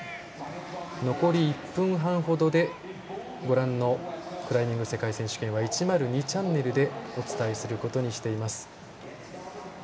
残り１分半程でご覧のクライミング世界選手権は１０２チャンネルでお伝えすることにしています。